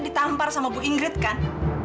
ditampar sama bu ingrid kan